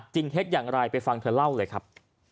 เท็จอย่างไรไปฟังเธอเล่าเลยครับ